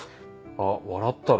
あっ笑ったろ。